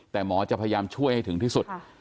แต่หมอจะพยายามช่วยให้ถึงที่สุด